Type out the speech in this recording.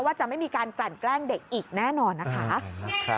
ว่าจะไม่มีการกลั่นแกล้งเด็กอีกแน่นอนนะคะ